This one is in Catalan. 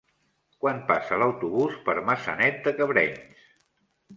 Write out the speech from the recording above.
Quan passa l'autobús per Maçanet de Cabrenys?